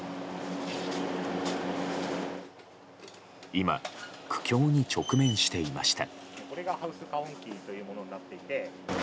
今、苦境に直面していました。